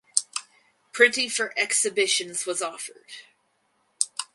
Printing for exhibitions was offered.